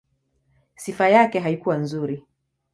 Sifa yake haikuwa nzuri.